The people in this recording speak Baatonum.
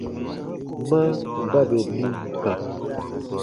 Ma ba bè nim kã.